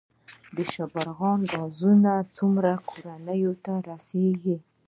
د شبرغان ګاز څومره کورونو ته رسیږي؟